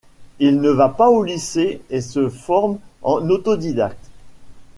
Il ne va pas au lycée et se forme en autodidacte.